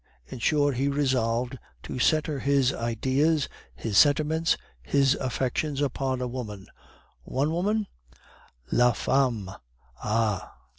In short, he resolved to centre his ideas, his sentiments, his affections upon a woman, one woman? LA PHAMME! Ah!....